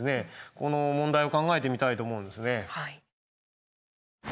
この問題を考えてみたいと思うんですね。